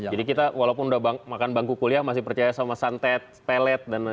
jadi kita walaupun sudah makan bangku kuliah masih percaya sama santet pelet dan lain lain